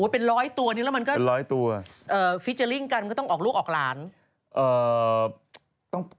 เป็นร้อยตัวนี่แล้วมันก็ฟิเจอร์ริ่งกันมันก็ต้องออกลูกออกหลาน